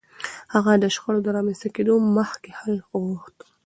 هغه د شخړو د رامنځته کېدو مخکې حل غوښت.